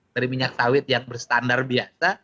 dari minyak sawit yang berstandar biasa